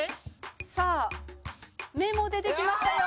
「さあ目も出てきましたよ」